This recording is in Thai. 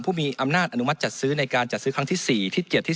ผู้มีอำนาจอนุมัติจัดซื้อในการจัดซื้อครั้งที่๔ที่๗ที่